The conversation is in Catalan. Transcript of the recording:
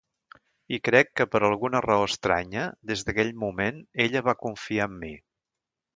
I crec que per alguna raó estranya, des d'aquell moment, ella va confiar en mi.